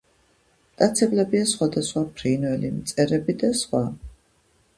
მტაცებლებია სხვადასხვა ფრინველი, მწერები და სხვა.